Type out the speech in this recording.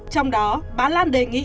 trong đó bà lan đề nghị